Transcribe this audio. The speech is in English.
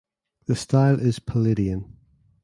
The style is Palladian.